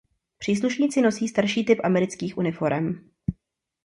Příslušníci nosí starší typ amerických uniforem.